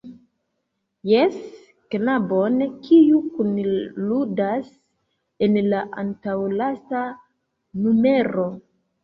Jes, knabon, kiu kunludas en la antaŭlasta numero.